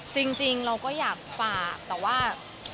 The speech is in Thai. จริงเราก็อยากฝากแต่ว่า